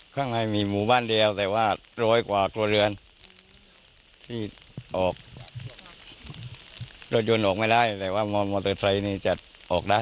ข้างในมีหมู่บ้านเดียวแต่ว่าร้อยกว่าครัวเรือนที่ออกรถยนต์ออกไม่ได้แต่ว่ามอเตอร์ไซค์นี้จะออกได้